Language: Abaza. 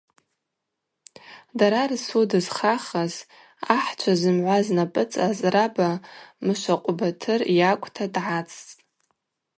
Дара рсуд зхахыз, ахӏчва зымгӏва знапӏыцӏаз раба Мышвакъвбатыр йакӏвта дгӏацӏцӏтӏ.